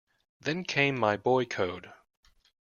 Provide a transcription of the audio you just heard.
Then came my boy code.